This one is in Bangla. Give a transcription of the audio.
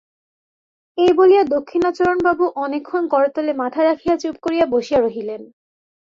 এই বলিয়া দক্ষিণাচরণবাবু অনেকক্ষণ করতলে মাথা রাখিয়া চুপ করিয়া বসিয়া রহিলেন।